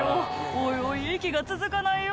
おいおい息が続かないよ」